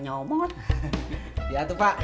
iya tuh pak